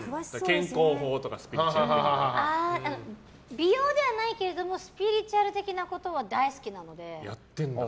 美容ではないけどスピリチュアル的なことは大好きなので。